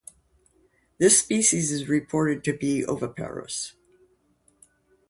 This species is reported to be oviparous.